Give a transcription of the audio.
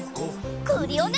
クリオネ！